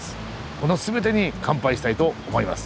この全てに乾杯したいと思います。